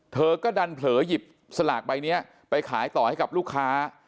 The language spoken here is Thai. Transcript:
เธอก็ดันเผลอหยิบสลากใบนี้ไปขายต่อให้กับลูกค้า